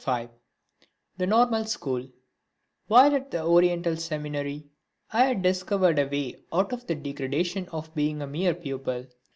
(5) The Normal School While at the Oriental Seminary I had discovered a way out of the degradation of being a mere pupil.